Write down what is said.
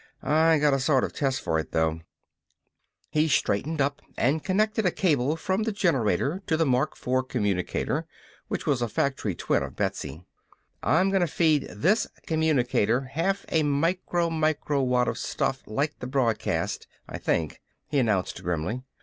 I got a sort of test for it, though." He straightened up and connected a cable from the generator to the Mark IV communicator which was a factory twin of Betsy. "I'm gonna feed this communicator half a micro micro watt of stuff like the broadcast I think," he announced grimly.